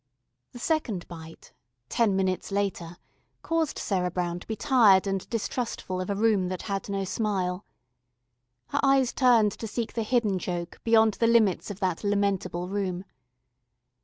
The second bite, ten minutes later, caused Sarah Brown to be tired and distrustful of a room that had no smile. Her eyes turned to seek the hidden Joke beyond the limits of that lamentable room.